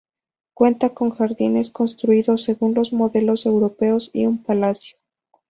Cuenta con jardines construidos según los modelos europeos y un palacio.